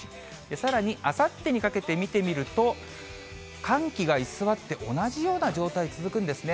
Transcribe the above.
さらにあさってにかけて見てみると、寒気が居座って、同じような状態続くんですね。